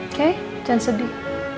oke jangan sedih